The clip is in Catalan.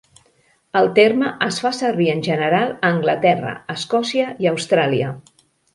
El terme es fa servir en general a Anglaterra, Escòcia i Austràlia.